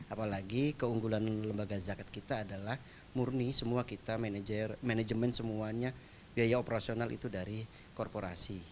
apalagi keunggulan lembaga zakat kita adalah murni semua kita manajemen semuanya biaya operasional itu dari korporasi